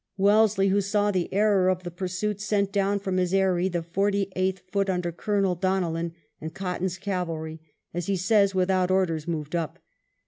Wellesley, who saw the error of the pursuit, sent down from his eyry the Forty eighth Foot under Colonel Donellan, and Cotton's cavalry, as he says without orders, moved up.